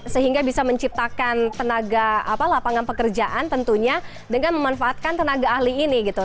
sehingga bisa menciptakan tenaga lapangan pekerjaan tentunya dengan memanfaatkan tenaga ahli ini gitu